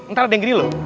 ntar ada yang gini loh